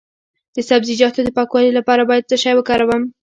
د سبزیجاتو د پاکوالي لپاره باید څه شی وکاروم؟